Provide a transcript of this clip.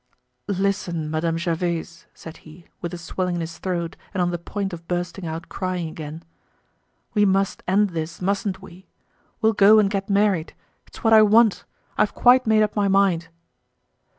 "Listen, Madame Gervaise," said he, with a swelling in his throat and on the point of bursting out crying again; "we must end this, mustn't we? We'll go and get married. It's what I want. I've quite made up my mind."